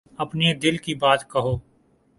اپنے دل کی بات کہو۔